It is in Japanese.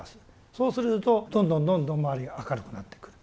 そうするとどんどんどんどん周りが明るくなってくる。